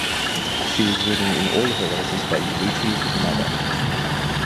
She was ridden in all of her races by Yuichi Fukunaga.